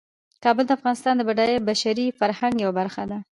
کابل د افغانستان د بډایه بشري فرهنګ یوه برخه ده.